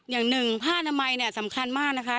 อย่างหนึ่งพ่านมัยสำคัญมากนะคะ